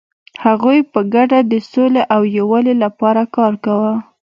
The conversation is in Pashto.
هغوی په ګډه د سولې او یووالي لپاره کار کاوه.